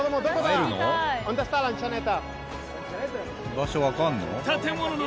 場所わかんの？